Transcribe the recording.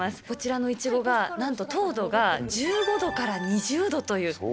こちらのイチゴが、なんと糖度が１５度から２０度という。